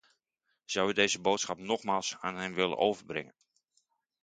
Zou u deze boodschap nogmaals aan hen willen overbrengen?